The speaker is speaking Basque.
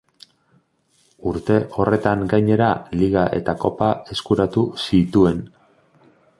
Urte horretan gainera Liga eta Kopa eskuratu zituen.